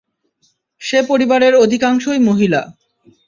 সে পরিবারের অধিকাংশই মহিলা।